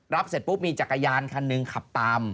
เสร็จปุ๊บมีจักรยานคันหนึ่งขับตาม